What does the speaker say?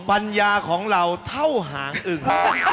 ปัญญาของเราเท่าหางอึง